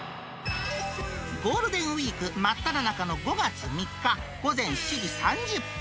ゴールデンウィーク真っただ中の５月３日午前７時３０分。